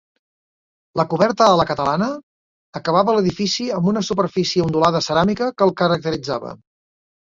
La coberta a la catalana acabava l'edifici amb una superfície ondulada ceràmica que el caracteritzava.